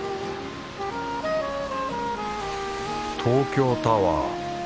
東京タワー。